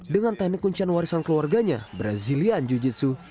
dengan teknik kuncian warisan keluarganya brazilian jiu jitsu